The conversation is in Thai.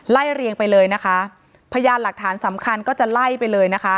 เรียงไปเลยนะคะพยานหลักฐานสำคัญก็จะไล่ไปเลยนะคะ